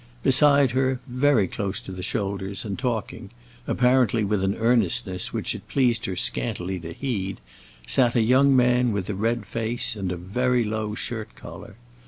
Beside her, very close to the shoulders and talking, apparently with an earnestness which it pleased her scantily to heed, sat a young man with a red face and a very low shirt collar.